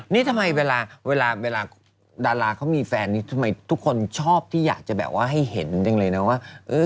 นี่ทำไมเวลาดาราเขามีแฟนนี่ทำไมทุกคนชอบที่อยากจะแบบว่าให้เห็นจังเลยนะว่า